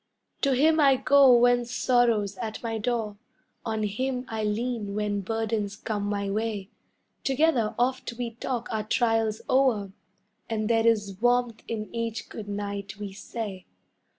To him I go when sorrow's at my door, On him I lean when burdens come my way, Together oft we talk our trials o'er And there is warmth in each good night we say.